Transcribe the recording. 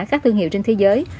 các thương hiệu trên thế giới